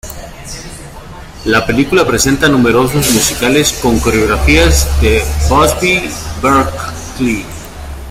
La película presenta números musicales con coreografía de Busby Berkeley.